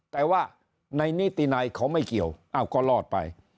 แต่ว่าในนิตินัยเขาไม่เกี่ยวก็รอดไป